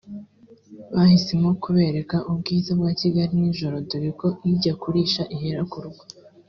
bahisemo kubereka ubwiza bwa Kigali nijoro dore ko ijya kurisha ihera kurugo